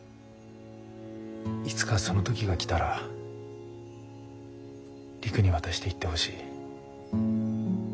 いつかその時が来たら璃久に渡して言ってほしい。